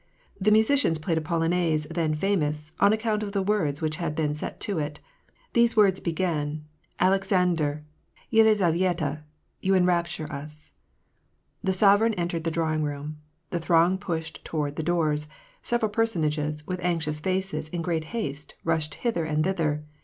The musicians played a Polonaise then famous, on account of the words which had been set to it. These words began, '* Alek sandr, Yelizavyetaj you enrapture us." The sovereign entered the drawing room. The throng pushed toward the doors : several personages, with anxious faces, in great haste, rushed hither and thither.